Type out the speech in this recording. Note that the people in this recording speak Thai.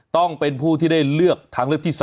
ต้องเป็นผู้ที่ได้เลือกทางเลือกที่๓